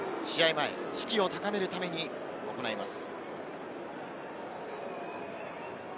前、士気を高めるために行います。